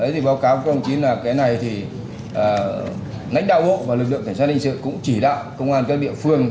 thì báo cáo công chính là cái này thì lãnh đạo hộ và lực lượng cảnh sát hình sự cũng chỉ đạo công an các địa phương